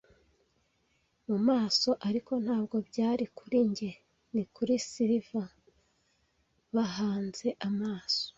mu maso; ariko ntabwo byari kuri njye, ni kuri Silver bahanze amaso.